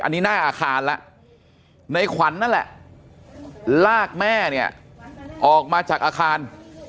อันนี้หน้าอาคารแล้วในขวัญนั่นแหละลากแม่เนี่ยออกมาจากอาคาร